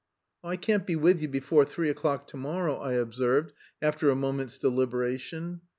"I can't be with you before three o'clock to morrow," I observed, after a moment's deliberation.